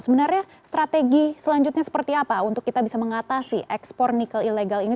sebenarnya strategi selanjutnya seperti apa untuk kita bisa mengatasi ekspor nikel ilegal ini